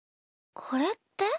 これって？